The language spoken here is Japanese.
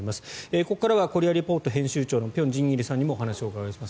ここからは「コリア・レポート」編集長の辺真一さんにもお話をお伺いします。